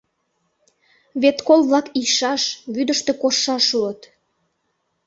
Вет кол-влак ийшаш, вӱдыштӧ коштшаш улыт.